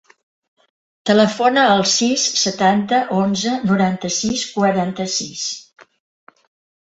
Telefona al sis, setanta, onze, noranta-sis, quaranta-sis.